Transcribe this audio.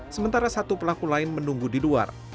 sementara satu pelaku lain menunggu di luar